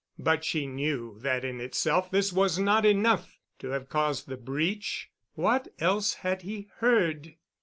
But she knew that in itself this was not enough to have caused the breach. What else had he heard?